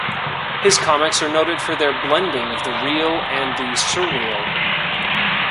His comics are noted for their blending of the real and the surreal.